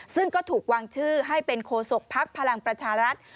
ซึ่งก็ถูกวางชื่อให้เป็นโคศกภักดิ์พลังประชารัฐ